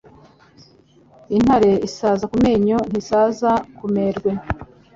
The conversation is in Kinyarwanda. Intare isaza ku menyo ntisaza ku merwe